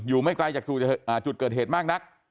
ไม่ไกลจากจุดเกิดเหตุมากนัก